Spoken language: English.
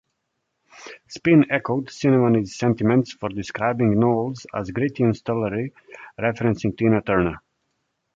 "Spin" echoed Cinquemani's sentiments by describing Knowles as "gritty and sultry", referencing Tina Turner.